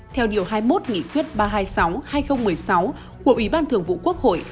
theo điều hai mươi một nghị quyết ba trăm hai mươi sáu hai nghìn một mươi sáu của ủy ban thường vụ quốc hội